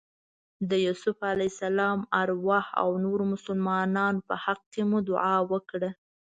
د یوسف علیه السلام ارواح او نورو مسلمانانو په حق کې مو دعا وکړه.